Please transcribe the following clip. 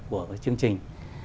của chương trình